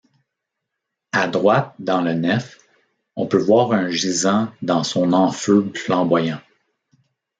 À droite dans la nef, on peut voir un gisant dans son enfeu flamboyant.